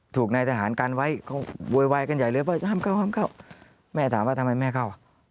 ถูกในทหารกันไว้เวลาวิว่ายกันใหญ่เลยอ้าเหิ่มเข้าอ้าเหิ่มเข้า